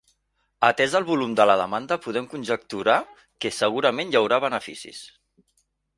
Atès el volum de la demanda, podem conjecturar que segurament hi haurà beneficis.